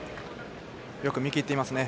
よく見切っていましたね。